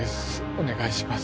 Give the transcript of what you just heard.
お願いします